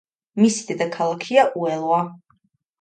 მისი დედაქალაქია უელვა.